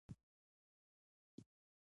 په تورو غرو مې خېژوي، ورسره ځمه